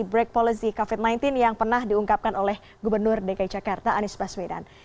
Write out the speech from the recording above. pak kadis ini adalah suara studio